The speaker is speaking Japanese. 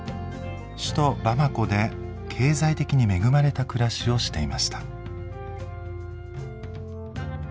首都バマコで経済的に恵まれた暮らしをしていました。